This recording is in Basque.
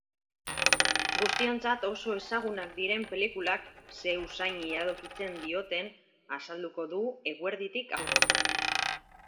Guztiontzat oso ezagunak diren pelikulak ze usain iradokitzen dioten azalduko du eguerditik aurrera.